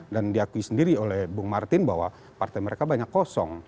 dan diakui sendiri oleh bung martin bahwa partai mereka banyak kosong